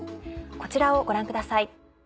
こちらをご覧ください。